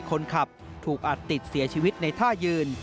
คนขับถูกอัดติดเสียชีวิตในท่ายืน